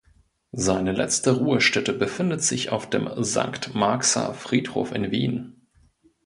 Seine letzte Ruhestätte befindet sich auf dem Sankt Marxer Friedhof in Wien.